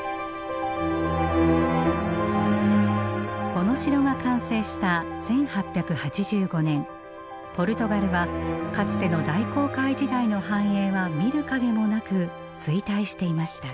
この城が完成した１８８５年ポルトガルはかつての大航海時代の繁栄は見る影もなく衰退していました。